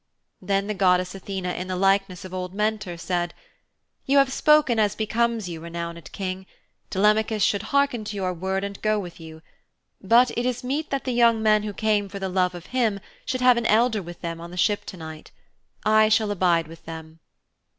Then the goddess Athene in the likeness of old Mentor said, 'You have spoken as becomes you, renowned King. Telemachus should harken to your word and go with you. But it is meet that the young men who came for the love of him should have an elder with them on the ship to night. I shall abide with them.'